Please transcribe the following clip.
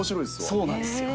そうなんですよ。